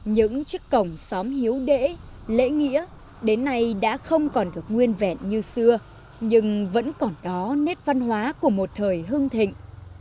những chiếc cổng xóm hiếu đẫy lễ nghĩa đến nay đã không còn được nguyên vẹn như xưa nhưng vẫn còn đó nét văn hóa của một thời hưng thịnh